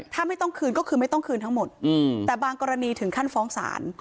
ถ้าไม่ต้องคืนก็คือไม่ต้องคืนทั้งหมดแต่บางกรณีถึงขั้นฟ้องศาล